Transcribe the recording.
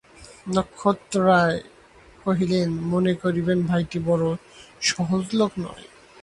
নক্ষত্ররায় কহিলেন, মনে করিবেন ভাইটি বড়ো সহজ লোক নয়।